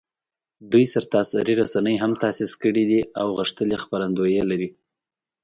دوی سرتاسري رسنۍ هم تاسیس کړي دي او غښتلي خپرندویې لري